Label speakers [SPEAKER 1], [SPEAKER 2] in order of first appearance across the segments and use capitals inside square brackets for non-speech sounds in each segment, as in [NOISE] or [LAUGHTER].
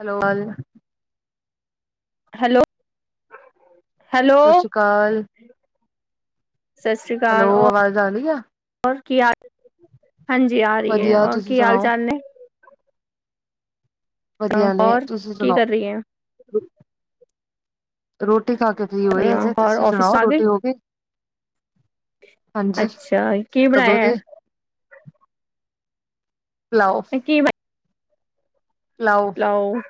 [SPEAKER 1] Hello
[SPEAKER 2] hello, hello
[SPEAKER 1] ਸਸਿ ਸ਼ੀਕਾਲ।
[SPEAKER 2] ਸਸਰੀ
[SPEAKER 1] ਹੈਲੋ
[SPEAKER 2] ਕਾਲ
[SPEAKER 1] ਆਵਾਜ਼ ਆ ਰਹੀ ਆ
[SPEAKER 2] ਹੋਰ ਕੀ ਹਾਲ ਹ ਹਾਂਜੀ ਆ ਰਹੀ ਐ,
[SPEAKER 1] ਵਧੀਆ
[SPEAKER 2] ਔਰ
[SPEAKER 1] ਤੁਸੀਂ
[SPEAKER 2] ਕੀ ਹਾਲ-
[SPEAKER 1] ਸੁਣਾਓ
[SPEAKER 2] ਚਾਲ ਨੇ
[SPEAKER 1] ਵਧੀਆ ਨੇ
[SPEAKER 2] ਔਰ
[SPEAKER 1] ਤੁਸੀਂ
[SPEAKER 2] ਕੀ
[SPEAKER 1] ਸੁਣਾਓ,
[SPEAKER 2] ਕਰ ਰਹੀ ਹੈ
[SPEAKER 1] ਰੋਟੀ ਖਾ ਕੇ ਫਰੀ ਹੋਏ ਹਜੇ,
[SPEAKER 2] ਔਰ
[SPEAKER 1] ਤੁਸੀਂ
[SPEAKER 2] ਆਫਿਸ
[SPEAKER 1] ਸੁਣਾਓ
[SPEAKER 2] ਆ
[SPEAKER 1] ਰੋਟੀ ਹੋ ਗਈ। ਹਾਂਜੀ
[SPEAKER 2] ਅੱਛਾ, ਕੀ
[SPEAKER 1] ਕਦੋਂ
[SPEAKER 2] ਬਣਾਇਆ
[SPEAKER 1] ਦੀ
[SPEAKER 2] ਐ।
[SPEAKER 1] ਪਲਾਓ
[SPEAKER 2] ਕੀ ਬ
[SPEAKER 1] ਲਓ
[SPEAKER 2] ਆਹ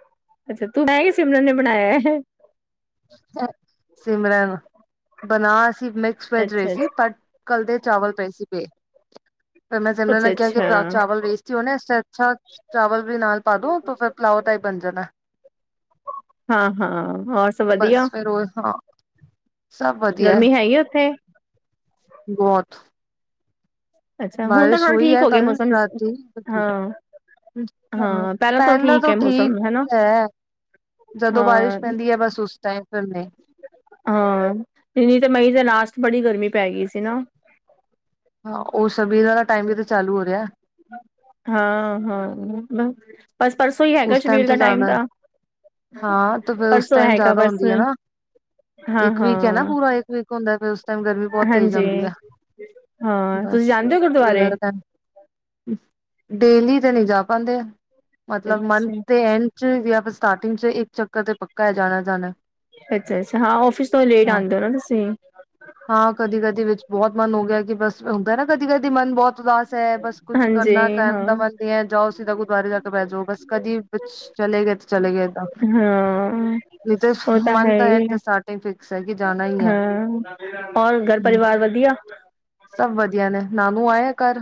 [SPEAKER 2] ਅੱਛਾ ਤੂੰ ਬ ਕਿ ਸਿਮਰਨ ਨੇ ਬਣਾਇਆ ਐ।
[SPEAKER 1] ਸਿਮਰਨ, ਬਣਾ ਅਸੀ ਮਿਕਸ ਵੈਜ ਰਹੇ
[SPEAKER 2] ਅੱਛਾ
[SPEAKER 1] ਸੀ ਪਰ ਕੱਲਦੇ ਚਾਵਲ ਪਏ ਸੀ ਬੇ
[SPEAKER 2] [INAUDIBLE]
[SPEAKER 1] ਪਰ ਮੈਂ ਜਨਾਂ
[SPEAKER 2] ਅੱਛਾ
[SPEAKER 1] ਨੇ ਕਿਹਾ ਕਿ
[SPEAKER 2] ਅੱਛਾ
[SPEAKER 1] ਚਾਵਲ ਵੇਸਟ ਹੋਨੇ, ਇਸ ਤ ਅੱਛਾ ਚਾਵਲ ਵੀ ਨਾਲ ਪਾ ਦੋ ਤੇ ਫਿਰ ਪਲਾਓ ਟਾਈਪ ਬਣ ਜਾਣਾ।
[SPEAKER 2] ਹਾਂ, ਹਾਂਹ ਹੋਰ
[SPEAKER 1] ਬਸ ਫਿਰ ਉਹ ਹਾਂ। ਸਭ ਵਧੀਆ
[SPEAKER 2] ਗਰਮੀ ਹੈਗੀ ਉੱਥੇ,
[SPEAKER 1] ਬਹੁਤ,
[SPEAKER 2] ਅੱਛਾ ਹੁਣ ਤਾਂ
[SPEAKER 1] ਬਾਰਿਸ਼
[SPEAKER 2] ਥੋੜਾ
[SPEAKER 1] ਹੋਈ
[SPEAKER 2] ਠੀਕ
[SPEAKER 1] ਹੈ
[SPEAKER 2] ਹੋ ਗਿਆ
[SPEAKER 1] ਕੱਲ
[SPEAKER 2] ਮੌਸਮ
[SPEAKER 1] ਰਾਤ ਦੀ ਬੜੀ,
[SPEAKER 2] ਹਾਂ
[SPEAKER 1] ਹਾਂ
[SPEAKER 2] ਤਾਂ
[SPEAKER 1] ਪਹਿਲਾਂ ਤੋਂ
[SPEAKER 2] ਹੈ
[SPEAKER 1] ਠੀਕ
[SPEAKER 2] ਮੌਸਮ ਹਨਾ
[SPEAKER 1] ਹੈ। ਜਦੋਂ ਬਾਰਿਸ਼
[SPEAKER 2] ਹਾਂ
[SPEAKER 1] ਪੈਂਦੀ ਹੈ ਬਸ ਉਸ ਟਾਈਮ ਥੱਲੇ,
[SPEAKER 2] ਹਾਂ ਇੰਨੀ ਤੇ ਮਈ ਦੇ ਲਾਸਟ ਬੜੀ ਗਰਮੀ ਪੈ ਗਈ ਸੀ ਹਨਾ,
[SPEAKER 1] ਹਾਂ ਉਹ ਸਭੀਲ ਵਾਲਾ ਟਾਈਮ ਵੀ ਤੇ ਚਾਲੂ ਹੋ ਰਿਹਾ,
[SPEAKER 2] ਹਾਂ ਹਾਂ ਬ ਬਸ ਪਰਸੋਂ ਹੀ ਹੈਗਾ
[SPEAKER 1] ਉਸ
[SPEAKER 2] ਸ਼ਬੀਲ ਦਾ
[SPEAKER 1] ਤੇ
[SPEAKER 2] ਟਾਈਮ
[SPEAKER 1] ਜ਼ਿਆਦਾ
[SPEAKER 2] ਤਾਂ,
[SPEAKER 1] ਹਾਂ ਤੇ ਫੇਰ ਉਸ
[SPEAKER 2] ਪਰਸੋਂ
[SPEAKER 1] ਟਾਈਮ
[SPEAKER 2] ਹੈਗਾ
[SPEAKER 1] ਜ਼ਿਆਦਾ
[SPEAKER 2] ਬਸ
[SPEAKER 1] ਹੁੰਦੀ ਹੈ ਨਾ? ਇੱਕ ਵੀਕ ਹੈ ਨਾ
[SPEAKER 2] ਹਾਂ-ਹਾਂ
[SPEAKER 1] ਪੂਰਾ ਇੱਕ ਵੀਕ ਹੁੰਦਾ ਫੇਰ ਉਸ ਟਾਈਮ ਗਰਮੀ ਬਹੁਤ ਤੇਜ਼
[SPEAKER 2] ਹਾਂਜੀ
[SPEAKER 1] ਆਉਂਦੀ ਹੈ,
[SPEAKER 2] ਹਾਂ ਤੁਸੀਂ
[SPEAKER 1] ਬਸ
[SPEAKER 2] ਜਾਂਦੇ ਹੋ
[SPEAKER 1] ਉ
[SPEAKER 2] ਗੁਰਦੁਆਰੇ
[SPEAKER 1] ਗੱਲ [INAUDIBLE] ਡੇਲੀ ਤੇ ਨਹੀ ਜਾ ਪਾਣਦੇਂ, ਮਤਲਬ ਮੰਥ
[SPEAKER 2] ਅੱਛਾ
[SPEAKER 1] ਦੇ ਐਂਡ ਚ ਜਾਂ ਫਿਰ ਸਟਾਰਟਿੰਗ ਚ ਇਕ ਚੱਕਰ ਤੇ ਪੱਕਾ ਹੈ ਜਾਣਾ ਜਾਣਾ,
[SPEAKER 2] ਅੱਛਾ, ਅੱਛਾ ਹਾਂ ਔਫਿਸ ਤੋਂ ਲੇਟ ਆਉਂਦੇ ਹੋ ਨਾ ਤੁਸੀਂ,
[SPEAKER 1] ਹਾਂ ਕਦੀ ਕਦੀ ਵਿੱਚ ਬਹੁਤ ਮਨ ਹੋ ਗਿਆ ਕਿ ਬਸ ਹੁੰਦਾ ਨਾ ਕਦੀ ਕਦੀ ਮਨ ਬਹੁਤ, ਉਦਾਸ ਹੈ ਬਸ ਕੁੱਛ
[SPEAKER 2] ਹਾਂਜੀ
[SPEAKER 1] ਕਰਨਾ ਕਰਨ
[SPEAKER 2] ਹਾਂ
[SPEAKER 1] ਦਾ ਮਨ ਨਹੀਂ ਹੈ, ਜਾਓ ਸੀਦਾ ਗੁਰੂਦੁਆਰੇ ਜਾ ਕੇ ਬਹਿ ਜਾਓ ਬਸ ਕਦੀ, ਬਚ ਚਲੇ ਗਏ ਤਾਂ ਚਲੇ ਗਏ ਤਾਂ,
[SPEAKER 2] ਹਾਂ
[SPEAKER 1] ਨਹੀਂ ਤੇ ਮਨ ਤਾਂ ਹੈ ਤੇ ਸਟਾਰਟਿੰਗ ਫਿਕਸ ਹੈ ਕਿ ਜਾਣਾ ਹੀ ਹੈ,
[SPEAKER 2] ਹਾਂ ਔਰ ਘਰ
[SPEAKER 1] ਹੂੰ
[SPEAKER 2] ਪਰਿਵਾਰ ਵਧੀਆ,
[SPEAKER 1] ਸਭ ਵਧੀਆ ਨੇ, ਨਾਨੂ ਆਇਆ ਘਰ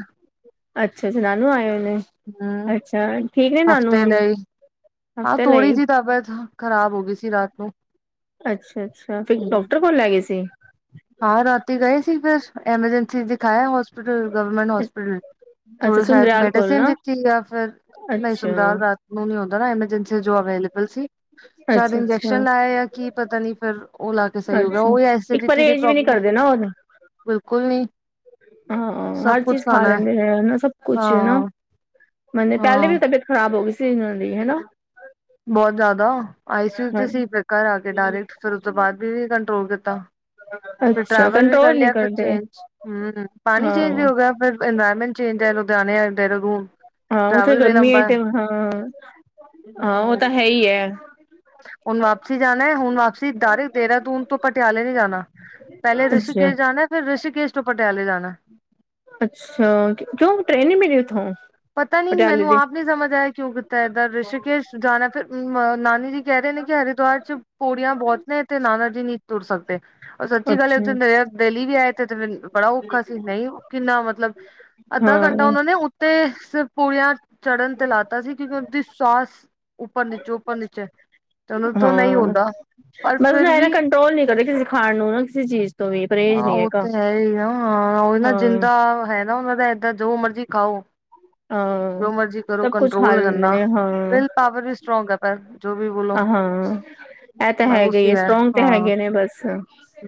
[SPEAKER 2] ਅੱਛਾ, ਅੱਛਾ ਨਾਨੂ ਆਏ ਹੋਏ ਨੇ
[SPEAKER 1] ਹੂੰ
[SPEAKER 2] ਅੱਛਾ ਠੀਕ ਨੇ ਨਾਨੂ ਹੁਣ,
[SPEAKER 1] ਹਾ
[SPEAKER 2] ਹਫ਼ਤੇ
[SPEAKER 1] ਥੋੜੀ
[SPEAKER 2] ਲਈ
[SPEAKER 1] ਜਿਹੀ ਤਬੀਅਤ ਖ਼ਰਾਬ ਹੋ ਗਈ ਸੀ ਰਾਤ ਨੂੰ,
[SPEAKER 2] ਅੱਛਾ, ਅੱਛਾ ਫਿਰ
[SPEAKER 1] ਹੂੰ
[SPEAKER 2] ਡਾਕਟਰ ਕੋਲ ਲੈ ਗਏ ਸੀ।
[SPEAKER 1] ਹਾਂ ਰਾਤੀ ਗਏ ਸੀ, ਫਿਰ ਐਮਰਜੈਂਸੀ ਦਿਖਾਇਆ ਹੋਸਪਿਟਲ ਗਵਰਮੈਂਟ ਹੋਸਪਿਟਲ।
[SPEAKER 2] ਅੱਛਾ
[SPEAKER 1] ਥੋੜਾ ਸ਼ਾਇਦ
[SPEAKER 2] ਸੁੰਦਰਯਾਲ ਕੋਲ
[SPEAKER 1] ਮੈਡੀਸਨ
[SPEAKER 2] ਨਾ
[SPEAKER 1] ਦਿੱਤੀ ਜਾਂ ਫਿਰ, ਨਹੀਂ
[SPEAKER 2] ਅੱਛਾ
[SPEAKER 1] ਸਮਤਾਲ ਰਾਤ ਨੂੰ ਨੀ ਆਉਂਦਾ ਨਾ ਐਮਰਜੈਂਸੀ ਜੋ ਅਵੇਲੇਬਲ ਸੀ ਸ਼ਾਇਦ
[SPEAKER 2] ਅੱਛਾ-ਅੱਛਾ
[SPEAKER 1] ਇੰਜੈਕਸ਼ਨ ਲਾਏ। ਕੀ ਪਤਾ ਨੀ ਫਿਰ ਉਹ ਲਾ ਕੇ ਸਹੀ ਹੋ ਗਿਆ
[SPEAKER 2] ਅੱਛਾ
[SPEAKER 1] ੳਹ
[SPEAKER 2] ਇੱਕ
[SPEAKER 1] ਐਸੀਡੀਟੀ ਦੀ
[SPEAKER 2] ਪਰਹੇਜ਼ ਵੀ ਨੀ ਕਰਦੇ ਨਾ
[SPEAKER 1] ਪ੍ਰੋਬਲਮ,
[SPEAKER 2] ਉਹ
[SPEAKER 1] ਬਿਲਕੁਲ ਨਹੀਂ
[SPEAKER 2] ਹਾਂ ਹਰ ਚੀਜ਼ ਖਾ ਲੈਂਦੇ ਐ ਹਨਾ ਸਭ ਕੁਛ ਹਨਾ,
[SPEAKER 1] ਹਾਂ
[SPEAKER 2] ਮਨੇ ਪਹਿਲੇ
[SPEAKER 1] ਹਾਂ
[SPEAKER 2] ਵੀ ਤਬੀਅਤ ਖ਼ਰਾਬ ਹੋ ਗਈ ਸੀ। ਇਹਨਾਂ ਦੀ ਹਨਾ,
[SPEAKER 1] ਬਹੁਤ ਜ਼ਿਆਦਾ ਆਈ ਸੀਯੂ ਸੀ ਫੇਰ ਘਰ ਆ ਕੇ ਡਾਇਰੈਕਟ ਫਿਰ ਉਸ ਤੋਂ ਬਾਅਦ ਵੀ ਕੰਟਰੋਲ ਕੀਤਾ। ਫਿਰ
[SPEAKER 2] ਅੱਛਾ
[SPEAKER 1] ਟਰੈਵਲ ਵੀ ਕਰ
[SPEAKER 2] ਕੰਟਰੋਲ ਨੀ
[SPEAKER 1] ਲਿਆ ਫਿਰ
[SPEAKER 2] ਕਰਦੇ
[SPEAKER 1] ਚੇਂਜ ਹਮ ਪਾਣੀ ਚੇਂਜ ਵੀ
[SPEAKER 2] ਹਾਂ
[SPEAKER 1] ਹੋ ਗਿਆ ਫਿਰ, ਇਨਵਾਇਰਮੈਂਟ ਚੇਂਜ ਆਏ ਲੁਧਿਆਣੇ ਆ ਜਾਂ [UNINTELLIGIBLE]
[SPEAKER 2] ਹਾਂ ਉੱਥੇ ਗਰਮੀ ਹੈ ਤੇ ਹਾਂ ਹਾਂ ਉਹ ਤਾਂ ਹੈ ਹੀ ਹੈ,
[SPEAKER 1] ਹੁਣ ਵਾਪਸੀ ਜਾਣਾ ਹੁਣ ਵਾਪ, ਤੁਸੀ ਡਾਇਰਕਟ ਦੇਹਰਾਦੂਨ ਤੋ ਪਟਿਆਲੇ ਨਹੀਂ ਜਾਣਾ ਪਹਿਲੇ
[SPEAKER 2] ਅੱਛਾ
[SPEAKER 1] ਰਿਸ਼ਕੇਸ਼ ਜਾਣਾ। ਫਿਰ ਰਿਸ਼ੀਕੇਸ਼ ਤੋਂ ਪਟਿਆਲੇ ਜਾਣਾ।
[SPEAKER 2] ਅੱਛਾ ਕਿਉਂ ਟ੍ਰੇਨ ਨਹੀ ਮਿਲੀ ਉੱਥੋਂ।
[SPEAKER 1] ਪਤਾ ਨੀ
[SPEAKER 2] ਪਟਿਆਲੇ
[SPEAKER 1] ਮੈਨੂੰ
[SPEAKER 2] ਦੀ
[SPEAKER 1] ਆਪ ਨੀ ਸਮਝ ਆਇਆ ਕਿਉਂ ਕੀਤਾ ਇਹਦਾ ਰਿਸ਼ਕੇਸ਼, ਜਾਣਾ ਫਿਰ ਨਾਨੀ ਜੀ ਕਹਿ ਰਹੇ ਨੇ ਕਿ ਹਰਿਦੁਆਰ ਚ ਪੌੜੀਆਂ ਬਹੁਤ ਨੇ ਤੇ ਨਾਨਾ ਜੀ ਨਹੀਂ ਤੁਰ ਸਕਦੇ। ਸੱਚੀ ਗੱਲ
[SPEAKER 2] ਅੱਛਾ
[SPEAKER 1] ਉਥੇ ਦਿਲੀ ਵੀ ਆਏ ਤੇ ਤੇ ਬੜਾ ਔਖਾ ਸੀ ਨਹੀਂ ਕਿੰਨਾ ਮਤਲਬ, ਅੱਧਾ ਘੰਟਾ
[SPEAKER 2] ਹਾਂ
[SPEAKER 1] ਉਹਨਾਂ ਨੇ ਉੱਤੇ ਸਿਰਫ ਪੋੜੀਆਂ ਚੜ੍ਹਨ ਤੇ ਲਾਤਾ ਸੀ ਕਿਉਂਕਿ ਉਹਦੀ ਸਾਹਸ, ਉੱਪਰ ਨੀਚੇ, ਉੱਪਰ ਨੀਚੇ ਉਹਨਾ ਤੋ ਨਹੀਂ
[SPEAKER 2] ਹਾਂ
[SPEAKER 1] ਹੁੰਂਦਾ।
[SPEAKER 2] ਬਸ ਨਾ ਇਹ ਨਾ ਕੰਟਰੋਲ ਨੀ ਕਰਦੇ ਕਿਸੇ ਖਾਣ ਨੂੰ ਨਾ ਕਿਸੇ ਚੀਜ਼ ਤੋਂ ਵੀ ਪਰਹੇਜ਼
[SPEAKER 1] ਹਾਂ
[SPEAKER 2] ਨਹੀਂ
[SPEAKER 1] ਉਹ
[SPEAKER 2] ਹੈਗਾ।
[SPEAKER 1] ਤੇ ਹੈ ਹੀ ਨਾ ਹਾਂ ਉਹਹੀ ਨਾ
[SPEAKER 2] ਹਾਂ
[SPEAKER 1] ਜਿੰਦਾ ਹੈ ਨਾ ਉਹਨਾਂ ਦਾ ਏਦਾਂ ਜੋ ਮਰਜੀ ਖਾਓ।
[SPEAKER 2] ਹਾਂ
[SPEAKER 1] ਜੋ ਮਰਜੀ ਕਰੋ
[SPEAKER 2] ਸਭ ਕੁਛ ਖਾ
[SPEAKER 1] ਕੰਟਰੋਲ
[SPEAKER 2] ਲੀਦੇ
[SPEAKER 1] ਕਰਨਾ
[SPEAKER 2] ਨੇ, ਹਾਂ।
[SPEAKER 1] ਵਿਲ ਪਾਵਰ ਵੀ ਸਟਰੋਂਗ ਹੈ ਪਰ ਜੋ ਵੀ ਬੋਲੋ
[SPEAKER 2] ਅ ਹਾਂ। ਐ ਤਾਂ
[SPEAKER 1] ਉਸ
[SPEAKER 2] ਹੈਗੀ
[SPEAKER 1] ਹੀ
[SPEAKER 2] ਏ
[SPEAKER 1] ਹੈ
[SPEAKER 2] ਸਟਰੋਂਗ 'ਤੇ
[SPEAKER 1] ਹਾਂ
[SPEAKER 2] ਹੈਗੇ ਨੇ ਬਸ।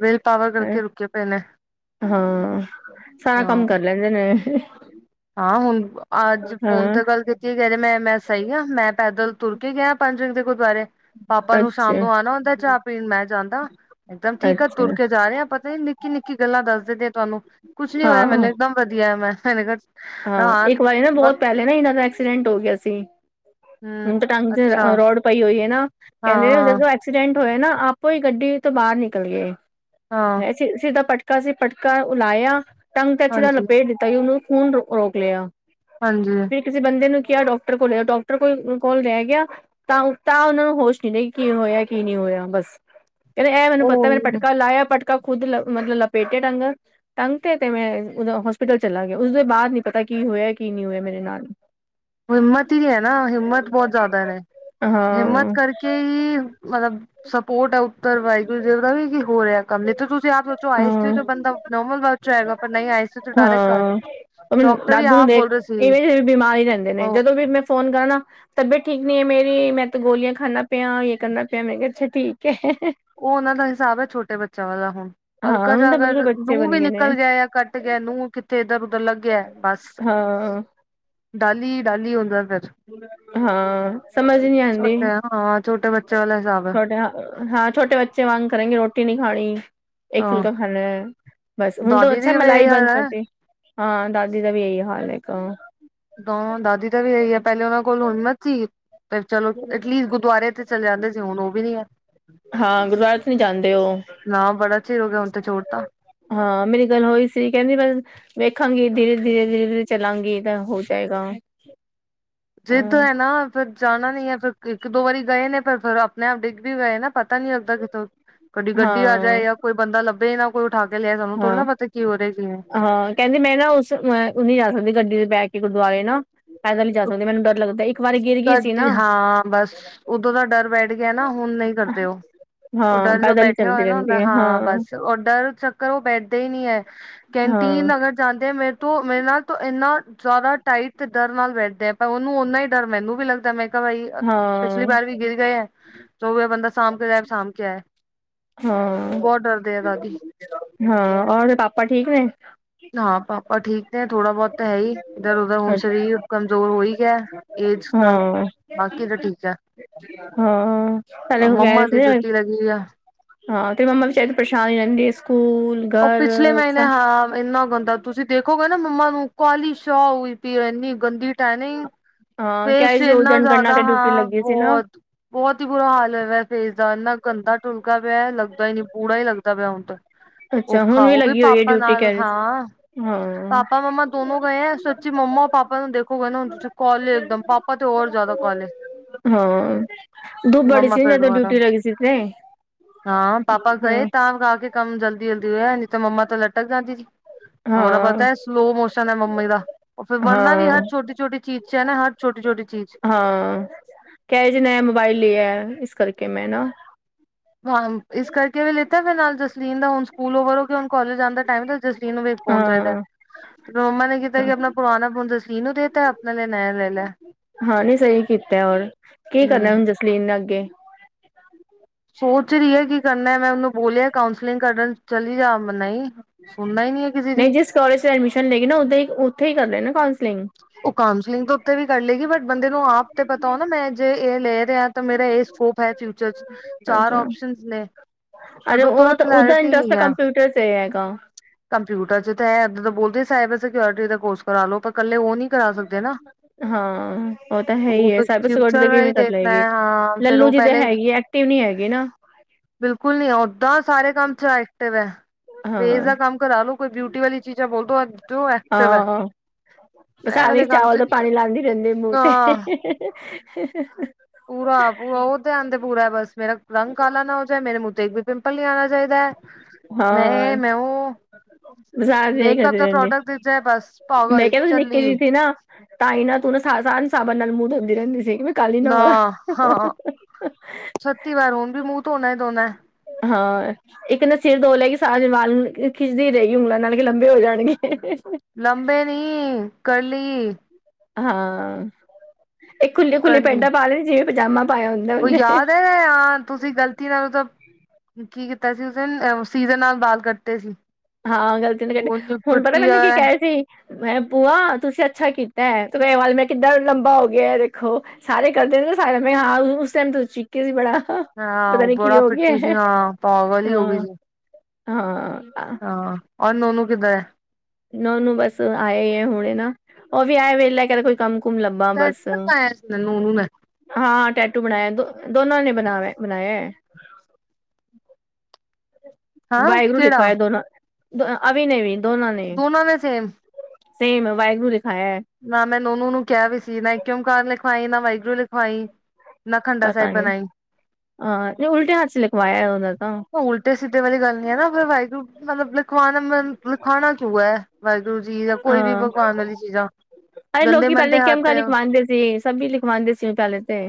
[SPEAKER 1] ਵਿਲ ਪਾਵਰ ਕਰਕੇ ਰੁਕੇ ਪਏ ਨੇ
[SPEAKER 2] ਹਾਂ, ਸਾਰਾ
[SPEAKER 1] ਹਾਂ
[SPEAKER 2] ਕੰਮ ਕਰ ਲੈਂਦੇ ਨੇ।
[SPEAKER 1] ਹਾਂ ਹੁਣ ਅੱਜ ਫੋਨ
[SPEAKER 2] ਹਾਂ
[SPEAKER 1] 'ਤੇ ਗੱਲ ਕੀ ਤੀ ਕਹਿ ਰੇ ਮੈਂ-ਮੈਂ ਸਈ ਆ ਮੈਂ ਪੈਦਲ ਤੁਰ ਕੇ ਗਿਆ ਪੰਜਕ ਦੇ ਗੁਰਦੁਆਰੇ। ਪਾਪਾ ਨੂੰ ਸ਼ਾਮ
[SPEAKER 2] ਅੱਛਾ
[SPEAKER 1] ਨੂੰ ਆਣਾ ਹੁੰਦਾ ਚਾਹ ਪੀਣ ਮੈਂ ਜਾਂਦਾ ਇੱਕਦਮ ਠੀਕ ਆ ਤੁਰ
[SPEAKER 2] ਅੱਛਾ
[SPEAKER 1] ਕੇ ਜਾ ਰੇਆ ਪਤਾ ਨਿੱ ਕੀ-ਨਿੱਕੀ ਗੱਲਾਂ ਦੱਸ ਦਿੰਦੇ ਤੁਹਾਨੂੰ ਕੁਛ ਨੀ ਹੋਇਆ
[SPEAKER 2] ਹਾਂ
[SPEAKER 1] ਮੈਨੂੰ ਇੱਕਦਮ ਵਧੀਆ ਮੈਂ ਮੈਨੇ ਕ
[SPEAKER 2] ਹਾਂ ਇੱਕ ਵਾਰੀ ਨਾ ਬਹੁਤ ਪਹਿਲੇ ਨਾ ਇਨਾਂ ਦਾ ਐਕਸੀਡੈਂਟ ਹੋ ਗਿਆ ਸੀ।
[SPEAKER 1] ਹੂੰ,
[SPEAKER 2] ਹੁਣ ਤਾਂ ਟੰਗ 'ਚ
[SPEAKER 1] ਅੱਛਾ,
[SPEAKER 2] ਰੋੜ ਪਈ ਹੋਈ ਏ ਨਾ ਕਹਿੰਦੇ ਨੇ
[SPEAKER 1] ਹਾਂ-ਹਾਂ,
[SPEAKER 2] ਜਬ
[SPEAKER 1] ਹਾਂ,
[SPEAKER 2] ਜੋ ਐਕਸੀਡੈਂਟ ਹੋਇਆ ਨਾ ਆਪੋ ਈ ਗੱਡੀ ਤੋਂ ਬਾਰ ਨਿਕਲਗੇ।
[SPEAKER 1] ਹਾਂ।
[SPEAKER 2] ਸਿੱਧਾ ਪਟਕਾ ਸੀ ਪਟਕਾ ਉਲਾਇਆ ਟੰਗ ਤੇ ਅੱਛੀ ਤਰਾ
[SPEAKER 1] ਹਾਂਜੀ।
[SPEAKER 2] ਲਪੇਟ ਦਿੱ ਤਾ ਈ ਉਨੂੰ ਖੂਨ ਰੋ ਰੋਕ ਲਿਆ।
[SPEAKER 1] ਹਾਂਜੀ।
[SPEAKER 2] ਫਿਰ ਕਿਸੀ ਬੰਦੇ ਨੂੰ ਕੇਆ ਡਾਕਟਰ ਕੋਲੋ ਡਾਕਟਰ ਕੋਲ ਰਹਿ ਗਿਆ ਤਾਂ ਓ ਤਾਂ ਉਨਾਂ ਨੂੰ ਹੋਸ਼ ਨੀ ਰਈ ਕੀ ਹੋਇਆ ਕੀ ਨੀ ਹੋਇਆ ਬਸ। ਕਹਿੰਦੇ ਏ ਮੈਨੂੰ ਪਤਾ
[SPEAKER 1] ਉਹ
[SPEAKER 2] ਮੈਂ ਨੇ ਪਟਕਾ ਲਾਇਆ ਪਟਕਾ ਖੁਦ ਮਤਲਬ ਲ ਲਪੇਟੇ ਟੰਗ ਟੰਗ ਕੇ 'ਤੇ ਮੈਂ ਹੋਸਪਿਟਲ ਚਲਾ ਗਿਆ ਉਸਦੇ ਬਾਅਦ ਨੀ ਪਤਾ ਕੀ ਹੋਇਆ ਕੀ ਨੀ ਹੋਇਆ ਮੇਰੇ ਨਾਲ।
[SPEAKER 1] ਗੁਰਮਤ ਦੀ ਐ ਨਾ ਹਿੰਮਤ ਬਹੁਤ ਜਿਆਦਾ ਨੇ, ਹਿੰਮਤ
[SPEAKER 2] ਹਾਂ
[SPEAKER 1] ਕਰ ਕੇ ਈ ਮਤਲਬ ਸਪੋਰਟ ਆਉ। ਪਰ ਵਾਹਿਗੁਰੂ ਦੇਵ ਦਾ ਵੀ ਕੀ ਹੋ ਰਿਹਾ ਕੰਮ ਨੀ ਤਾਂ ਤੁਸੀਂ ਆਪ ਸੋਚੋ ਆਈਸ
[SPEAKER 2] ਹਾਂ
[SPEAKER 1] 'ਚ ਬੰਦਾ ਨੋਰਮਲ ਬਾਅ 'ਚ ਆਏਗਾ ਪਰ ਨਈ ਆਈਸ
[SPEAKER 2] ਹਾਂ, ਓ ਮ ਦਾਦੂ ਨੂੰ ਦੇਖ
[SPEAKER 1] ਬੋਲ ਰਹੇ ਸੀ
[SPEAKER 2] ਇਵੇਂ ਈ ਬਿਮਾਰ ਈ ਰਹਿੰਦੇ ਦੇ ਨੇ
[SPEAKER 1] ਉਹ
[SPEAKER 2] ਜਦੋਂ ਵੀ ਮੈਂ ਫੋਨ ਕਰਨਾ ਤਬੀਅਤ ਠੀਕ ਨੀ ਏ ਮੇਰੀ, ਮੈਂ ਤਾਂ ਗੋਲੀਆਂ ਖਾਨਾ ਪਿਆ, ਯੇ ਕਰਨਾ ਪਿਆ ਮੈਂ ਕਿਹਾ ਅੱਛਾ ਠੀਕ ਏ।
[SPEAKER 1] ਓ ਉਨਾਂ ਦਾ ਹਿਸਾਬ ਏ ਛੋਟੇ ਬੱਚਿਆਂ ਵਾਲਾ ਹੁਣ
[SPEAKER 2] ਹਾਂ
[SPEAKER 1] ਹਲਕਾ
[SPEAKER 2] ਹੁਣ
[SPEAKER 1] ਜਾ
[SPEAKER 2] ਤਾਂ ਬਿਲਕੁਲ
[SPEAKER 1] ਅਗਰ
[SPEAKER 2] ਬੱਚੇ
[SPEAKER 1] ਨੂੰ
[SPEAKER 2] ਬਣ
[SPEAKER 1] ਵੀ
[SPEAKER 2] ਗਏ ਨੇ
[SPEAKER 1] ਨਿਕਲ ਜਾਇਆ ਜਾਂ ਕੱ ਟ ਗਿਆ ਨੂੰ ਕਿੱਥੇ ਏਧਰ-ਉਧਰ ਲੱਗ ਗਿਆ ਬਸ
[SPEAKER 2] ਹਾਂ।
[SPEAKER 1] ਡਾਲੀ-ਡਾਲੀ ਹੁੰਦਾ ਫੇਰ।
[SPEAKER 2] ਹਾਂ ਸਮਝ ਨੀ ਆਂਦੀ।
[SPEAKER 1] ਛੋਟੇ ਹਾਂ ਛੋਟੇ ਬੱਚੇ ਵਾਲਾ ਹਿਸਾਬ ਹੈ।
[SPEAKER 2] ਛੋਟੇ ਹਾਂ ਛੋਟੇ ਬੱਚੇ ਵਾਂਗ ਕਰੇਗੇ ਰੋਟੀ ਨੀ ਖਾਣੀ। ਇੱਕ
[SPEAKER 1] ਹਾਂ
[SPEAKER 2] ਫੁਲਕਾ ਖਾਣਾ ਬਸ ਹੁਣ ਤੋਂ
[SPEAKER 1] ਦਾਦੀ
[SPEAKER 2] ਅੱਛਾ
[SPEAKER 1] ਦੀ ਵੀ
[SPEAKER 2] ਮਲਾਈ
[SPEAKER 1] ਇਹੀ ਹਾਲ
[SPEAKER 2] ਬੰਦ
[SPEAKER 1] ਹੈ
[SPEAKER 2] ਕਰਤੀ। ਹਾਂ ਦਾਦੀ ਦਾ ਵੀ ਏਹੀ ਹਾਲ ਏ।
[SPEAKER 1] ਦੌ ਦਾਦੀ ਦਾ ਵੀ ਏਈ ਐ ਪਹਿਲੇ ਉਨਾਂ ਕੋਲ ਹਿੰਮਤ ਸੀ ਫੇਰ ਚਲੋ ਐਟਲੀਸਟ ਗੁਰਦੁਆਰੇ 'ਤੇ ਚਲੇ ਜਾਂਦੇ ਸੀ ਹੁਣ ਓ ਵੀ ਨੀ ਐ।
[SPEAKER 2] ਹਾਂ ਗੁਰਦੁਆਰੇ 'ਤੇ ਨੀ ਜਾਂਦੇ ਓ।
[SPEAKER 1] ਨਾ ਬੜਾ ਚਿਰ ਹੋ ਗਿਆ ਹੁਣ 'ਤੇ ਛੋੜ ਤਾਂ।
[SPEAKER 2] ਹਾਂ ਮੇਰੀ ਗੱਲ ਹੋਈ ਸੀ ਕਹਿੰਦੀ ਬਸ ਵੇਖਾਂਗੀ ਧੀਰੇ-ਧੀਰੇ-ਧੀਰੇ-ਧੀਰੇ ਚੱਲਾਂਗੀ ਤਾਂ ਹੋ ਜਾਏਗਾ।
[SPEAKER 1] ਜਿੱਦ
[SPEAKER 2] ਹਾਂ
[SPEAKER 1] ਏ ਨਾ ਫਿਰ ਜਾਣਾ ਨਈ ਐ ਫਿਰ ਇੱਕ-ਦੋ ਵਾਰੀ ਗਏ ਨੇ ਪਰ ਫਿਰ ਆਪਣੇ ਆਪ ਡਿੱਗ ਵੀ ਗਏ ਨਾ ਪਤਾ ਨੀ ਲੱਗਦਾ ਕਿਤੋਂ ਵੱਡੀ ਗੱਡੀ ਆ ਜਾਏ
[SPEAKER 2] ਹਾਂ
[SPEAKER 1] ਜਾਂ ਕੋਈ ਬੰਦਾ ਲੱਭੇ ਨਾ ਕੋਈ ਉਠਾ ਕੇ ਲਿਆਏ ਸਾਨੂੰ ਥੋੜੀ
[SPEAKER 2] ਹਾਂ
[SPEAKER 1] ਨਾ ਪਤਾ ਕੀ ਹੋ ਰੇਆ ਕਿ ਨਈ।
[SPEAKER 2] ਹਾਂ ਕਹਿੰਦੀ ਮੈਂ ਨਾ ਓਸ ਉਣ ਨੀ ਆ ਸਕਦੀ ਗੱਡੀ 'ਤੇ ਬਹਿ ਕੇ ਗੁਰਦੁਆਰੇ ਨਾ। ਪੈਦਲ ਨੀ ਜਾ ਸਕਦੇ ਮੈਨੂੰ ਡਰ ਲੱਗਦਾ ਇੱਕ ਵਾਰੀ ਗਿਰ ਗਈ ਸੀ
[SPEAKER 1] ਘੱਟ ਈ
[SPEAKER 2] ਨਾ
[SPEAKER 1] ਹਾਂ ਬਸ ਉਦੋਂ ਦਾ ਡਰ ਬੈ ਉਹੀ ਨਾ ਹੁਣ ਨਹੀਂ ਕਰਦੇ ਉਹ।
[SPEAKER 2] ਹਾਂ
[SPEAKER 1] ਡਰ ਜੋ
[SPEAKER 2] ਪੈਦਲ ਹੀ
[SPEAKER 1] ਬੈਠਿਆ
[SPEAKER 2] ਚੱਲਦੀ
[SPEAKER 1] ਹੋਇਆ ਨਾ ਹੁੰਦਾ
[SPEAKER 2] ਰਹਿੰਦੀ ਹੈ
[SPEAKER 1] ਹਾਂ, ਬਸ ਉਹ ਡਰ- ਘਰੋ ਬੈਠਦੇ ਨੀ ਹੈ।
[SPEAKER 2] ਹਾਂ
[SPEAKER 1] ਕੈਂਟੀਨ ਅਗਰ- ਜਾਂਦੇ ਆ। ਮੇਰੇ ਤੋਂ ਮੇਰੇ ਨਾਲ ਤੇ ਇੰਨਾ ਜ਼ਿਆਦਾ ਟਾਈਟ ਡਰ ਨਾਲ ਬੈਠਦੇ ਆ ਪਰ ਉਹਨੂੰ ਓਨਾ ਹੀ- ਡਰ ਮੈਨੂੰ ਵੀ ਲੱਗਦਾ ਮੈਂ ਕਿਹਾ ਬਈ ਪਿਛਲੀ
[SPEAKER 2] ਹਾਂ
[SPEAKER 1] ਵਾਰ ਵੀ ਗਿਰ ਗਿਆ ਜੋ ਵੀ ਬੰਦਾ ਸਾਂਭ ਕੇ ਜਾਏ, ਸਾਂਭ ਕੇ ਆਏ।
[SPEAKER 2] ਹਾਂ,
[SPEAKER 1] ਬਹੁਤ ਡਰਦੇ ਆ ਦਾਦੀ
[SPEAKER 2] ਹਾਂ ਹੋਰ ਪਾਪਾ ਠੀਕ ਨੇ।
[SPEAKER 1] ਹਾਂ, ਪਾਪਾ ਠੀਕ ਨੇ ਥੋੜ੍ਹਾ ਬਹੁਤਾ ਹੈ ਹੀ। ਇੱਧਰ- ਉਧਰ ਹੁਣ ਸਰੀਰ ਕਮਜ਼ੋਰ ਹੋ ਹੀ ਗਿਆ। ਏਜ ਨਾਲ,
[SPEAKER 2] ਹਾਂ
[SPEAKER 1] ਬਾਕੀ ਤੇ ਠੀਕ ਹੈ।
[SPEAKER 2] ਹਾਂ, ਪਹਿਲੇ ਹੋ ਕੇ
[SPEAKER 1] ਮੰਮਾ
[SPEAKER 2] ਆਏ ਸੀ
[SPEAKER 1] ਦੀ
[SPEAKER 2] ਕਿ।
[SPEAKER 1] ਡਿਊਟੀ ਲੱਗੀ ਆ
[SPEAKER 2] ਹਾਂ, ਤੇ ਮੰਮਾ ਵਿਚਾਰੀ ਪਰੇਸ਼ਾਨ ਹੀ ਰਹਿੰਦੀ ਸਕੂਲ
[SPEAKER 1] ਉਹ
[SPEAKER 2] ਘਰ
[SPEAKER 1] ਪਿਛਲੇ ਮਹੀਨੇ ਹਾਂ ਇੰਨਾ ਗੰਦਾ - ਤੁਸੀਂ ਦੇਖੋਗੇ ਨਾ ਮੰਮਾ ਨੂੰ ਕਾਲੀ ਸ਼ਾਹ ਹੋਈ ਪਈ, ਇੰਨੀ ਗੰਦੀ ਟੈਨਿੰਗ।
[SPEAKER 2] ਹਾਂ ਕਹਿ
[SPEAKER 1] ਫੇਸ
[SPEAKER 2] ਰਹੀ ਸੀ ਉਸ
[SPEAKER 1] ਇੰਨਾ
[SPEAKER 2] ਦਿਨ ਗੰਨਾ
[SPEAKER 1] ਜ਼ਿਆਦਾ
[SPEAKER 2] ਤੇ ਡਿਊਟੀ
[SPEAKER 1] ਹਾਂ
[SPEAKER 2] ਲੱਗੀ ਸੀ ਨਾ
[SPEAKER 1] ਬਹੁਤ- ਬਹੁਤ ਹੀ ਬੁਰਾ ਹਾਲ ਹੋਇਆ ਫੇਸ ਦਾ। ਇੰਨਾ ਗੰਦਾ ਢੁਲਕਾ ਪਿਆ ਲੱਗਦਾ ਨਹੀਂ ਕੂੜਾ ਹੀ ਲੱਗਦਾ ਪਿਆ ਹੁਣ ਤੇ।
[SPEAKER 2] ਅੱਛਾ
[SPEAKER 1] ਔਖਾ
[SPEAKER 2] ਹੁਣ
[SPEAKER 1] ਉਹ ਵੀ
[SPEAKER 2] ਲੱਗੀ ਹੋਈ ਹੈ
[SPEAKER 1] ਪਾਪਾ
[SPEAKER 2] ਡਿਊਟੀ
[SPEAKER 1] ਨਾਲ
[SPEAKER 2] ਕਹਿ ਰਹੀ ਸੀ
[SPEAKER 1] ਹਾਂ।
[SPEAKER 2] ਹਾਂ
[SPEAKER 1] ਪਾਪਾ ਮੰਮਾ ਦੋਨੋ ਗਏ ਹੈ। ਸੱਚੀ ਮੰਮਾ-ਪਾਪਾ ਨੂੰ ਦੇਖੋਗੇ ਨਾ ਤੁਸੀਂ ਕਾਲੇ ਇੱਕ-ਦਮ ਪਪ ਪਾਪਾ ਤੇ ਹੋਰ ਜ਼ਿਆਦਾ ਕਾਲੇ।
[SPEAKER 2] ਹਾਂ, ਧੂਪ ਬੜੀ
[SPEAKER 1] ਮੰਮਾ
[SPEAKER 2] ਸੀ ਨਾ,
[SPEAKER 1] ਫਿਰ
[SPEAKER 2] ਜਦੋਂ
[SPEAKER 1] ਦੁਬਾਰਾ
[SPEAKER 2] ਡਿਊਟੀ ਰਹਿੰਦੀ ਸੀ ਇੱਥੇ
[SPEAKER 1] ਹਾਂ, ਪਾਪਾ ਗਏ ਤਾਂ ਜਾਕੇ ਕੰਮ ਜਲਦੀ, ਜਲਦੀ ਹੋਇਆ ਨਹੀਂ ਤਾਂ ਮੰਮਾ ਤਾਂ ਲਟਕ ਜਾਂਦੀ ਸੀ। ਉਹਨੂੰ
[SPEAKER 2] ਹਾਂ
[SPEAKER 1] ਪਤਾ ਹੈ। ਸਲੋ ਮੋਸ਼ਨ ਹੈ ਮੰਮਾ ਜੀ ਦਾ। ਉਹ ਫੇਰ ਵੜਨਾ ਵੀ ਹੈ, ਹਰ
[SPEAKER 2] ਹਾਂ
[SPEAKER 1] ਛੋਟੀ-ਛੋਟੀ ਚੀਜ਼ 'ਚ ਹੈ ਨਾ ਹਰ ਛੋਟੀ-ਛੋਟੀ ਚੀਜ਼।
[SPEAKER 2] ਹਾਂ। ਕਹਿ ਜਿੰਨੇ ਮੋਬਾਈਲ ਲਿਆ ਹੈ। ਇਸ ਕਰਕੇ ਮੈਂ ਨਾ-
[SPEAKER 1] ਹਾਂ, ਇਸ ਕਰਕੇ ਵੀ ਲਿਤਾਂ, ਫਿਰ ਨਾਲ ਜਸਲੀਨ ਦਾ ਹੁਣ ਸਕੂਲ ਵਰਕ ਕਿ ਹੁਣ ਕਾਲਜ ਜਾਣ ਦਾ ਟਾਈਮ ਜਸਲੀਨ ਨੂੰ ਵੇਖ-
[SPEAKER 2] ਹਾਂ।
[SPEAKER 1] ਰੋਮਾ ਨੇ ਕੀਤਾ ਕਿ ਆਪਣਾ ਪੁਰਾਣਾ ਫੋਨ ਜਸਲੀਨ ਨੂੰ ਦੇ ਦਿੱਤਾ। ਆਪਣੇ ਲਈ ਨਯਾ ਲੈ ਲਿਆ।
[SPEAKER 2] ਹਾਂ, ਨਹੀਂ ਸਹੀ। ਕੀਤਾ ਔਰ, ਕੀ ਕਰਨਾ
[SPEAKER 1] ਹੂੰ।
[SPEAKER 2] ਹੁਣ ਜਸਲੀਨ ਨੇ ਅੱਗੇ।
[SPEAKER 1] ਸੋਚ ਰਹੀ ਹੈ ਕੀ ਕਰਨਾ। ਮੈਂ ਉਹਨੂੰ ਬੋਲਿਆ ਕਾਉਸਲਿੰਗ ਕਰਨ ਚਲੀ ਜਾ। ਨਹੀਂ ਸੁਣਨਾ ਹੀ ਨੀ ਕਿਸੇ ਦੀ।
[SPEAKER 2] ਕੋਲਜ 'ਚ ਐਡਮਿਸ਼ਨ ਲਏਗੀ ਨਾ, ਉੱਦਾਂ ਹੀ ਉੱਥੇ ਹੀ ਕਰ ਲੈਣੀ ਕਾਂਸਲਿੰਗ।
[SPEAKER 1] ਉਹ ਕਾਂਸਲਿੰਗ ਤਾਂ ਉੱਥੇ ਵੀ ਕਰ ਲਏਗੀ, ਬਟ ਬੰਦੇ ਨੂੰ ਆਪ ਤੇ ਪਤਾ ਹੋ। ਮੈਂ ਜੇ ਇਹ ਲੈ ਰਿਹਾ ਤਾਂ ਮੇਰਾ ਇਹ- ਸਕੋਪ ਹੈ ਫਿਊਚਰ 'ਚ। ਚਾਰ
[SPEAKER 2] ਅੱਛਾ
[SPEAKER 1] ਓਪਸ਼ਨਸ ਨੇ
[SPEAKER 2] ਅਰੇ
[SPEAKER 1] ਬਟ ਉਹ ਥੋੜਾ
[SPEAKER 2] ਤਾਂ ਉਹਦਾ
[SPEAKER 1] ਕਲੈਰਿਟੀ
[SPEAKER 2] ਇੰਟਰਸਟ
[SPEAKER 1] ਨਹੀਂ
[SPEAKER 2] ਤਾਂ
[SPEAKER 1] ਹੈ।
[SPEAKER 2] ਕੰਪਿਊਟਰ ਸੇ ਹੈਗਾ
[SPEAKER 1] ਕੰਪਿਊਟਰ 'ਚ ਤਾਂ ਹੈ ਇੱਦਾਂ ਤਾਂ ਬੋਲਦੇ ਸਹਿਬ ਸਿਓਰਟੀ ਦਾ ਕੋਰਸ ਕਰਾ ਲਓ ਪਰ ਇਕੱਲੇ ਉਹ ਨਹੀਂ ਕਰਾ ਸਕਦੇ ਨਾ
[SPEAKER 2] ਹਾਂ ਉਹ ਤਾਂ ਹੈ ਹੀ
[SPEAKER 1] ਫਿਰ
[SPEAKER 2] ਸਾਹਿਬਾ ਸੋਚਦੇ
[SPEAKER 1] ਫਿਊਚਰ ਦਾ
[SPEAKER 2] ਕਿਵੇਂ
[SPEAKER 1] ਹੀ
[SPEAKER 2] ਕਰ
[SPEAKER 1] ਦੇਖਣਾ
[SPEAKER 2] ਲਏਗੀ
[SPEAKER 1] ਹੈ ਹਾਂ ਫਿਰ
[SPEAKER 2] ਲੱਲੂ
[SPEAKER 1] ਉਹ
[SPEAKER 2] ਜੇ ਤਾਂ
[SPEAKER 1] ਪਹਿਲੇ
[SPEAKER 2] ਹੈ ਏ ਐਕਟਿਵ ਨਹੀਂ ਹੈਗੇ ਨਾ
[SPEAKER 1] ਬਿਲਕੁਲ ਨੀ ਓਦਾਂ ਸਾਰੇ ਕੰਮ 'ਚ ਐਕਟਿਵ ਹੈ
[SPEAKER 2] ਹਾਂ
[SPEAKER 1] ਵੇਜ ਦਾ ਕੰਮ ਘਰਾ ਨੂੰ ਕੋਈ ਬਿਊਟੀ ਵਾਲੀ ਚੀਜ਼ਾਂ ਬੋਲਦੋ ਅੱ ਜੋ [UNINTELLIGIBLE] ਹੈ ਐਕਟਿਵ
[SPEAKER 2] ਹਾਂ ਹਾਂ ਬਸ
[SPEAKER 1] ਇਹ
[SPEAKER 2] ਆਕ
[SPEAKER 1] ਵਾਲੇ ਕੰਮ
[SPEAKER 2] ਚਾਵਲ
[SPEAKER 1] ਚ
[SPEAKER 2] ਦਾ
[SPEAKER 1] ਨੀ ਹੈ।
[SPEAKER 2] ਪਾਣੀ ਲਾਂਦੀ ਰਹਿੰਦੀ ਮੂੰਹ ਤੇ
[SPEAKER 1] ਹਾਂ
[SPEAKER 2] [INAUDIBLE]
[SPEAKER 1] ਪੂਰਾ ਪੂਰਾ ਉਹ ਧਿਆਨ ਤੇ ਪੂਰਾ ਬਸ ਮੇਰਾ ਰੰਗ ਕਾਲਾ ਨਾ ਹੋ ਜਾਏ ਮੇਰੇ ਮੁੂੰਹ ਤੇ ਪਿੰਪਲ ਨੀ ਆਉਣਾ ਚਾਹੀਦਾ ਮੈਂ
[SPEAKER 2] ਹਾਂ
[SPEAKER 1] ਏ ਮੈਂ ਉਹ
[SPEAKER 2] ਬਜ਼ਾਰ ਦੇ
[SPEAKER 1] ਮੇਕਅਪ
[SPEAKER 2] ਕਰਦੇ
[SPEAKER 1] ਦਾ
[SPEAKER 2] ਰਹਿੰਦੇ
[SPEAKER 1] ਪ੍ਰੋਡਕਟ ਦਿੱਸ ਜਾਏ ਬਸ ਪਾਵਲ ਚੱਲੀਏ
[SPEAKER 2] ਤਾਂਹੀ ਨਾਲ ਤੂੰਨ ਸਾਹ ਸਾਬਣ ਨਾਲ ਮੂੰਹ ਦਿੰਦੀ ਰਹਿੰਦੀ ਸੀਗੀ ਕਾਲ ਨਾ ਹੋ
[SPEAKER 1] ਪਹਿਲੀ ਵਾਰ ਹੁਨ ਵੀ ਮੂੰਹ ਧੋਣਾ ਹੀ ਧੋਣਾ ਹੈ
[SPEAKER 2] ਹਾਂ ਇੱਕ ਕਹਿੰਦਾ ਸਿਰ ਧੋ ਲਏਗੀ ਸਾਰੇ ਵਾਲ ਖਿੱਚਦੀ ਰਹੇਗੀ ਉਂਗਲਾਂ ਨਾਲ ਕੇ ਲੰਬੇ ਹੋ ਜਾਣਗੇ
[SPEAKER 1] ਲੰਬੇ ਨੀ ਕਰਲੀ
[SPEAKER 2] ਹਾਂ ਇਹ ਖੁੱਲੀਆਂ ਖੁੱਲੀਆਂ
[SPEAKER 1] ਕਰਲੀ
[SPEAKER 2] ਪੈਂਟਾਂ ਪਾ ਦੇਦੇ ਜਿਵੇਂ ਪਜਾਮਾ ਪਾਇਆ ਹੁੰਦਾ ਉਹਨੇ
[SPEAKER 1] ਤੇ ਹਾਂ ਤੁਸੀਂ ਗ਼ਲਤੀ ਨਾਲ ਤਾਂ ਕੀ ਕੀਤਾ ਸੀ ਉਸ ਦਿਨ ਸੀਜ਼ਰ ਨਾਲ ਬਾਲ ਕੱਟਤੇ ਸੀ
[SPEAKER 2] ਹਾਂ ਗਲਤੀ ਨੇ ਕੱਟ
[SPEAKER 1] ਉਹਨੂੰ
[SPEAKER 2] ਹੁਣ ਪਤਾ
[SPEAKER 1] ਪਿੱਟੀ
[SPEAKER 2] ਮੈਨੂੰ ਕੀ
[SPEAKER 1] ਹੈ
[SPEAKER 2] ਕਹਿ ਰਹੀ ਸੀ ਮੈਂ ਭੂਆ ਤੁਸੀਂ ਅੱਛਾ ਕੀਤਾ ਮੇਰੇ ਵਾਲ ਮੈਂ ਕਿੱਦਾਂ ਲੰਬਾ ਹੋ ਗਿਆ ਦੇਖੋ ਸਾਰੇ ਕਰਦੇ ਨੇ ਨਾ ਸਾਰਿਆ ਹਾਂ ਉਸ ਟਾਈਮ ਕਿ ਸੀ ਬੜਾ
[SPEAKER 1] ਹਾਂ
[SPEAKER 2] ਪਤਾ
[SPEAKER 1] ਉਹ
[SPEAKER 2] ਨੀ ਕੀ
[SPEAKER 1] ਬੜਾ
[SPEAKER 2] ਹੋ ਗਿਆ
[SPEAKER 1] ਪਿੱਟੀ ਸੀ ਹਾਂ ਪਾਗਲ ਹੀ ਹੋ ਗਈ
[SPEAKER 2] ਹਾਂ
[SPEAKER 1] ਸੀ
[SPEAKER 2] ਹਾਂ
[SPEAKER 1] ਹਾਂ ਔਰ ਨੋਨੂੰ ਕਿਦਾ ਏ
[SPEAKER 2] ਨੋਨੂ ਬਸ ਆਏ ਹੀ ਹੁਣੇ ਨਾ ਉਹ ਵੀ ਆਏ ਵੇਲੈ ਕੇ ਕੁਛ ਕੰਮ ਕੁਮ ਲੱਭਾ
[SPEAKER 1] ਟੈਟੂ
[SPEAKER 2] ਬਸ
[SPEAKER 1] ਬਣਵਾਇਆ ਇਸਨੇ ਨੋਨੂੰ ਨੇ
[SPEAKER 2] ਹਾਂ ਟੈਟੂ ਬਣਾਇਆ ਦੋ ਦੋਨਾਂ ਨੇ ਬਣਾ ਬਣਾਇਆ
[SPEAKER 1] ਹਾਂ
[SPEAKER 2] ਵਾਹਿਗੁਰੂ
[SPEAKER 1] ਕਿਹੜਾ
[SPEAKER 2] ਲਿਖਵਾਇਆ ਦੋਨਾ ਨੇ ਅਵਿ ਨੇ ਵੀ ਦੋਨਾਂ ਨੇ
[SPEAKER 1] ਉਨਾਂ ਦੇ ਸੇਮ
[SPEAKER 2] ਸੇਮ ਏ ਵਾਹਿਗੁਰੂ ਦਿਖਾਇਆ ਹੈ
[SPEAKER 1] ਨਾ ਮੈਂ ਨਨੂੰ ਨੂੰ ਕਿਹਾ ਵੀ ਸੀ ਨਾ ਏਕ ਓਕਾਰ ਲਿਖਵਾਈ ਨਾ ਵਾਹਿਗੁਰੂ ਲਿਖਵਾਈ ਨਾ ਖੰਡਾ
[SPEAKER 2] ਪਤਾ
[SPEAKER 1] ਸਾਹਿਬ
[SPEAKER 2] ਨੀ
[SPEAKER 1] ਬਣਾਈ
[SPEAKER 2] ਹਾਂ ਜੋ ਨਹੀਂ ਉਲਟੇ ਹੱਥ ਚ ਲੈ ਲਿਖਵਾਇਆ ਉਹਦਾ ਤਾਂ
[SPEAKER 1] ਉਲਟੇ ਸਿੱਧੇ ਵਾਲੀ ਗੱਲ ਨੀ ਹੈ ਨਾ ਫਿਰ ਵਾਹਿਗੁਰੂ ਮਤਲਬ ਲਿਖਾਉਣਾ ਮ ਲਿਖਾਉਣਾ ਕਿਉ ਹੈ ਵਾਹਿਗੁਰੂ ਜੀ ਜਾਂ ਕੋਈ ਵੀ ਭਗਵਾਨ ਵਾਲੀ ਚੀਜ਼ਾਂ
[SPEAKER 2] ਅਰੇ
[SPEAKER 1] ਗੰਦੇ
[SPEAKER 2] ਲੋਕੀ ਪਹਿਲੇ
[SPEAKER 1] ਮੰਦੇ
[SPEAKER 2] ਤੇ ਇਕ
[SPEAKER 1] ਹੱਥ
[SPEAKER 2] ਓਮਕਾਰ ਲਿਖਵਾਉਦੇ ਸੀ ਸਭੀ ਲਿਖਵਾਉਂਦੇ ਸੀ ਪਹਿਲੇ ਤੇ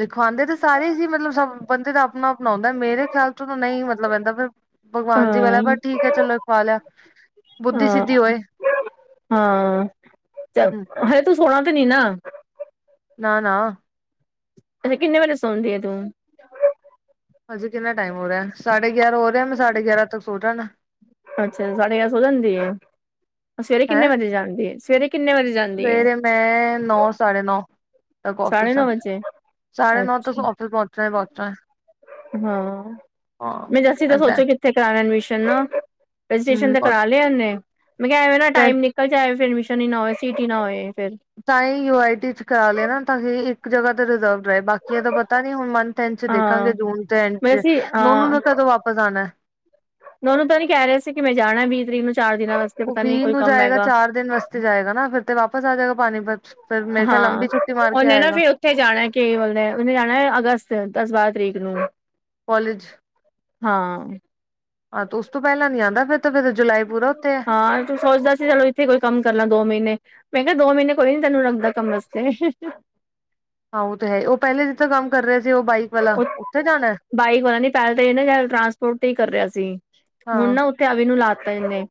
[SPEAKER 1] ਲਿਖਵਾਉਂਦੇ ਤੇ ਸਾਰੇ ਹੀ ਸੀ ਮਤਲਬ ਸਭ ਬੰਦੇ ਦਾ ਆਪਣਾ ਆਪਣਾ ਹੁੰਦਾ ਮੇਰੇ ਖਿਆਲ ਚ ਤਾਂ ਨਹੀਂ ਮਤਲਬ ਰਹਿੰਦਾ ਫਿਰ ਭਗਵਾਨ ਜੀ ਵਾਲਾ
[SPEAKER 2] ਹਾਂ
[SPEAKER 1] ਪਰ ਠੀਕ ਹੈ ਚਲੋ ਲਿਖਵਾ ਲਿਆ ਬੁੱਧੀ
[SPEAKER 2] ਹਾਂ
[SPEAKER 1] ਸਿੱਧੀ ਹੋਏ
[SPEAKER 2] ਹਾਂ
[SPEAKER 1] ਹਮ
[SPEAKER 2] ਹਜੇ ਤੂੰ ਸੋਣਾ ਤੇ ਨੀ ਨਾ
[SPEAKER 1] ਨਾ ਨਾ
[SPEAKER 2] ਅੱਛਾ ਕਿੰਨੇ ਵਜੇ ਸੌਦੀ ਆ ਤੂੰ
[SPEAKER 1] ਹਜੇ ਕਿੰਨਾ ਟਾਈਮ ਹੋ ਰਿਹਾ ਸਾਡੇ ਗਿਆਰਾਂ ਹੋ ਰਿਹਾ ਮੈਂ ਸਾਡੇ ਗਿਆਰਾਂ ਤੱਕ ਸੋਚ ਜਾਣਾ
[SPEAKER 2] ਅੱਛਾ ਸਾਢੇ ਗਿਆਰਾਂ ਸੋ ਜਾਂਦੀ ਏ ਸਵੇਰੇ ਕਿੰਨੇ
[SPEAKER 1] ਹੈਂ
[SPEAKER 2] ਵਜੇ ਜਾਂਦੀ ਏ ਸਵੇਰੇ ਕਿੰਨੇ ਵਜੇ ਜਾਂਦੀ ਹੈ
[SPEAKER 1] ਸਵੇਰੇ ਮੈਂ ਨੌ ਸਾਢੇ ਨੌ ਤੱਕ
[SPEAKER 2] ਸਾਢੇ
[SPEAKER 1] ਓਫਿਸ ਆ
[SPEAKER 2] ਨੌ ਵਜੇ
[SPEAKER 1] ਸਾਢੇ ਨੌ ਤੱਕ
[SPEAKER 2] ਅੱਛਾ
[SPEAKER 1] ਓਫਿਸ ਪਹੁੰਚਣਾ ਈ ਪਹੁੰਚਣਾ ਹੈ
[SPEAKER 2] ਹਾਂ ਮੈਂ ਜਸੀਂ
[SPEAKER 1] ਹਾਂ
[SPEAKER 2] ਤਾਂ
[SPEAKER 1] ਏਦਾਂ
[SPEAKER 2] ਸੋਚੋ ਕਿ ਤੇ ਕਰਾ ਲੈਣ ਐਡਮਿਸ਼ਨ ਨਾ ਰਜਿਸਟਰੇਸ਼ਨ ਤੇ ਕਰਾ
[SPEAKER 1] ਹਮ
[SPEAKER 2] ਲਿਆ ਇਹਨੇ ਮੈਂ ਕਿਹਾ ਐਵੇਂ ਨਾ ਟਾਈਮ ਨ ਕੱਲ ਜਾਏ ਫਿਰ ਐਡਮਿਸ਼ਨ ਹੀ ਨਾ ਹੋਏ ਸੀਟ ਹੀ ਨਾ ਹੋਏ ਫਿਰ
[SPEAKER 1] ਤਾਂ ਹੀ ਯੂ ਆਈ ਟੀ ਚ ਕਰਾ ਲਿਆ ਨਾ ਤਾਂ ਇੱਕ ਜਗ੍ਹਾ ਤੇ ਰਿਜ਼ਰਵ ਰਹੇ ਬਾਕੀਆਂ ਦਾ ਪਤਾ ਨੀ ਹੁਣ ਮ ਤਿੰਨ ਚ
[SPEAKER 2] ਹਾਂ
[SPEAKER 1] ਦੇਖਾਂਗੇ ਜੂਨ ਤੇ ਐਂਡ ਚ,
[SPEAKER 2] ਵੈਸੇ
[SPEAKER 1] ਨੋਨੂੰ
[SPEAKER 2] ਹਾਂ
[SPEAKER 1] ਨੇ ਕਦੋਂ ਵਾਪਸ ਆਣੈ?
[SPEAKER 2] ਨੋਨੂੰ ਤਾਂ ਨੀ ਕੈ ਰੇਆ ਸੀ ਕਿ ਮੈਂ ਜਾਣੈ ਵੀ ਤਰੀਕ ਨੂੰ ਚਾਰ ਦਿਨਾਂ ਵਾਸ
[SPEAKER 1] ਓ ਵੀਹ ਨੂੰ ਜਾਏਗਾ ਚਾਰ ਦਿਨ ਵਾਸਤੇ ਜਾਏਗਾ ਨਾ, ਫੇਰ ਤੇ ਵਾਪਸ ਆਜੇਗਾ ਪਾਨੀਪਤ ਫੇਰ ਮੇਰਾ ਖ਼ਿਆਲ ਲੰਬੀ ਛੁੱਟੀ ਮਾਰ ਕੇ ਆਏਗਾ।
[SPEAKER 2] ਇੱਥੇ ਜਾਨਾ ਕੇ ਬੋਲਦੇ ਐ ਓਨੇ ਜਾਨਾ ਅਗਸਤ ਦਸ-ਬਾਰਾ ਤਰੀਕ ਨੂੰ
[SPEAKER 1] ਕੋਲੇਜ।
[SPEAKER 2] ਹਾਂ।
[SPEAKER 1] ਆ ਤੋ ਓਸ ਤੋ ਪੈਲਾ ਨੀ ਆਂਦਾ ਫੇਰ ਤਾਂ ਫੇਰ
[SPEAKER 2] ਹਾਂ, ਏ ਤੂੰ ਸੋਚਦਾ ਸੀ ਐਵੈਂ ਈ ਇਥੇ ਕੋਈ ਕਾੰਮ ਕਰ ਲਾ ਦੋ ਮੀਨੇ, ਓ ਈ ਨਾ ਦੋ ਮੀਨੇ ਕੋਈ ਨੀ ਤੈਨੂੰ ਰੱਖਦਾ ਕਮ ਆਸਤੇ
[SPEAKER 1] ਹਾਂ, ਓ ਤੇ ਹੈਈ, ਓ ਪੈਲੇ ਜਿੱਥੋਂ ਕੰਮ ਕਰ ਰੇ ਸੀ ਓ ਬਾਈਕ ਵਾਲਾ
[SPEAKER 2] ਉਹ
[SPEAKER 1] ਉੱਥੇ ਜਾਨਾ ਐ?
[SPEAKER 2] ਬਾਈਕ ਵਾਲਾ ਨੀ ਪੈਲਾ ਤਾ ਇਨੇ ਟਰਾਂਸਪੋਰਟ ਤੇ ਈ ਕਰ ਰੇਆ ਸੀ।
[SPEAKER 1] ਹਾਂ।
[SPEAKER 2] [UNINTELLIGIBLE] ਲਾਤਾ ਐਨੇ,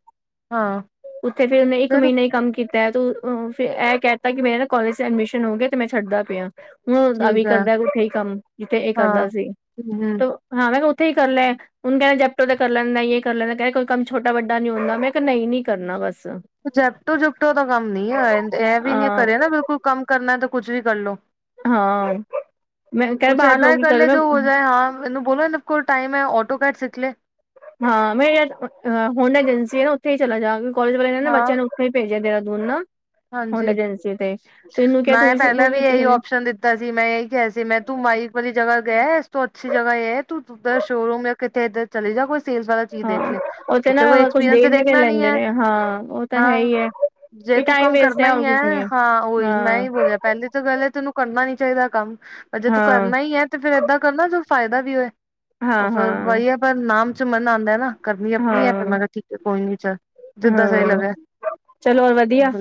[SPEAKER 1] ਹਾਂ
[SPEAKER 2] ਉਥੇ ਫੇਰ ਮੈਂ ਇੱਕ
[SPEAKER 1] ਫਿਰ
[SPEAKER 2] ਮੀਨਾ ਹੀ ਕੰਮ ਕੀਤਾ‌। ਤੂੰ ਫੇਰ ਐ ਕੈ ਤਾ ਕਿ ਮੇਰੇ ਨਾ ਕੋਾਲਜ ਚ ਐਡਮਿਸ਼ਨ ਹੋ ਗਿਆ ਤੇ ਮੈਂ ਛੱਡਦਾ ਪੇਆ। ਓ ਦਾ
[SPEAKER 1] ਠੀਕ
[SPEAKER 2] ਵੀ
[SPEAKER 1] ਹੈ
[SPEAKER 2] ਕਾਰਦੈ ਉੱਥੇ ਈ ਕਾੰਮ ਜਿੱਥੇ ਏ
[SPEAKER 1] ਹਾਂ
[SPEAKER 2] ਕਾਰਦਾ ਸੀ,
[SPEAKER 1] ਹੂੰ ਹੂੰ,
[SPEAKER 2] ਤੋ ਹਾਂ, ਫੇ ਕੈ ਓਥੇ ਈ ਕਾੱਰ ਲੇਂਖ। ਹੁਨ ਕੈਂਦਾ ਜੈਪਟੋ ਤੇ ਕਰ ਲੈਂ, ਯੇ ਕਾੱਰ ਲੈਂਦਾ ਕੈਂਦਾ ਕੋਈ ਕਾੰਮ ਛੋਟਾ ਵੱਡਾ ਨੀ ਹੁੰਦਾ, ਮੈਂ ਕਯਾ ਨਈ ਨੀ ਕਰਨਾ ਬਾੱਸ।
[SPEAKER 1] ਜਾਟੋ- ਜੁਟੋ ਦਾ ਕਾੰਮ ਨੀ ਆ ਐ, ਐਵੀ ਨਾ ਕਰੇ ਨਾ ਬਿਲਕੁਲ ਕਾੰਮ ਕਰਨਾ ਤੇ ਕੁੱਛ ਵੀ ਕਰਲੋ।
[SPEAKER 2] ਹਾਂ ਮੈਂ ਕਹਿ
[SPEAKER 1] ਕੁਛ,
[SPEAKER 2] ਬਾਹਰ
[SPEAKER 1] ਐਦਾ
[SPEAKER 2] ਲੋਕ
[SPEAKER 1] ਈ
[SPEAKER 2] ਕੀ
[SPEAKER 1] ਕਾੱਰ ਲੇ,
[SPEAKER 2] ਕਰਦੇ
[SPEAKER 1] ਜੋ ਹੋ ਜਾਏ ਹਾਂ। ਐਨੂੰ ਬੋਲੋ ਐਂਦੇ ਕੋਲ ਟਾਈਮ ਐ, ਓਟੋ ਕੈਟ ਸਿੱਖ ਲੇ।
[SPEAKER 2] ਹਾਂ, ਮੈਂ ਯ ਹਾਂ ਹੁਨ ਏਜੰਸੀ ਏ ਨਾ ਓਥੇ ਈ ਚਲਾ ਜਾਂ, ਕੋਲੇਜ ਵਾਲੇ ਨੇ ਨਾ
[SPEAKER 1] ਹਾਂ
[SPEAKER 2] ਬੱਚੇਯਾਂ ਨੂੰ ਨੀ ਪੇਜਯਾ ਦੇਰਾਦੂਨ ਨਾ ਹੋਂਡ
[SPEAKER 1] ਹਾਂਜੀ
[SPEAKER 2] ਏਜੰਸੀ ਤੇ, ਫੇਰ ਐਨੂੰ ਕੈ ਤੂੰ ਈ ਸ, ਤੂੰਵੀ ਉੱਤੇ ਚੱਲੇ ਜਾ
[SPEAKER 1] ਕੀਤਾ ਸੀ ਮੈਂ ਐਈ ਕੇਆ ਸੀ ਮੈਂ, ਤੂੰ ਮਾਈਕ ਵਾਲੀ ਜਗਾ ਗਯੈ ਇਸ ਤੋ ਅੱਛੀ ਜਗਾ ਯੇ ਐ ਤੂ ਤੂ ਤਾ ਸ਼ੋਰੂਮ ਹੈ ਕਿੱਥੇ ਇਧਰ। ਚਲੀ ਜਾ, ਕੋਈ ਸੇਲਸ ਵਾਲਾ ਚੀਜ਼ ਦੇਖ
[SPEAKER 2] ਹਾਂ
[SPEAKER 1] ਲੇ
[SPEAKER 2] ਉੱਥੇ ਨਾ
[SPEAKER 1] ਉਤੇ ਕੋਈ
[SPEAKER 2] ਕੁਛ
[SPEAKER 1] ਐਕਸਪੀਰੀਅੰਸ ਤਾ
[SPEAKER 2] ਦੇਂਦੇ ਵੀ
[SPEAKER 1] ਦੇਖਨਾ ਨੀ
[SPEAKER 2] ਲੈਂਦੇ
[SPEAKER 1] ਐ,
[SPEAKER 2] ਨੇ ਹਾਂ ਉਹ ਤਾਂ ਹੈ
[SPEAKER 1] ਹਾਂ।
[SPEAKER 2] ਹੀ ਹੈ
[SPEAKER 1] ਜੇ
[SPEAKER 2] ਇਹ
[SPEAKER 1] ਤੂੰ
[SPEAKER 2] ਟਾਈਮ
[SPEAKER 1] ਕਾੰਮ
[SPEAKER 2] ਵੇਸਟ
[SPEAKER 1] ਕਰਨਾ
[SPEAKER 2] ਹੈ
[SPEAKER 1] ਈ
[SPEAKER 2] ਹੋਰ ਕੁਛ
[SPEAKER 1] ਐ,
[SPEAKER 2] ਨੀ ਹੈ
[SPEAKER 1] ਹਾਂ, ਉਈ ਮੈਂ
[SPEAKER 2] ਹਾਂ
[SPEAKER 1] ਈ ਬੋਲਯਾ ਪੈਲੀ ਤਾਂ ਗਾੱਲ ਐ ਤੈਨੂੰ ਕਰਨਾ ਨੀ ਚਾਈਦਾ ਕਾੰਮ, ਪਰ ਜੇ ਤੂੰ
[SPEAKER 2] ਹਾਂ
[SPEAKER 1] ਕਰਨਾ ਈ ਐ ਤੇ ਫੇਰ ਏਦਾਂ ਕਾੱਰ ਨਾ ਜੋ ਫਾਯਦਾ ਵੀ ਹੋਏ, ਓ
[SPEAKER 2] ਹਾਂ
[SPEAKER 1] ਫੇਰ
[SPEAKER 2] ਹਾਂ
[SPEAKER 1] ਵਈ ਐ ਪਰ ਨਾਮ ਚ ਮਨ ਆਂਦਾ ਐ ਨਾ। ਕਰਨੀ ਅਪਨੀ ਐ, ਫੇਰ
[SPEAKER 2] ਹਾਂ
[SPEAKER 1] ਮੈਂ ਕਾ ਠੀਕ ਐ ਕੋਈ ਨੀ ਚੱਲ, ਜਿੱਦਾ ਸਈ
[SPEAKER 2] ਹਾਂ
[SPEAKER 1] ਲਗੈ।
[SPEAKER 2] ਚਲੋ ਹੋਰ ਵਦੀਆ,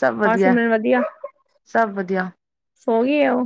[SPEAKER 1] ਸਭ
[SPEAKER 2] ਹਾਂ
[SPEAKER 1] ਵਧੀਆ
[SPEAKER 2] ਸਿਮਰਨ ਵਦੀਆ।
[SPEAKER 1] ਸਭ ਵਧੀਆ
[SPEAKER 2] ਸੋ ਗੀ ਐ, ਓ?